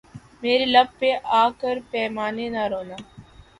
میرے لب پہ آ کر پیمانے نہ رونا